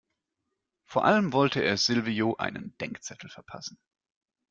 Vor allem wollte er Silvio einen Denkzettel verpassen.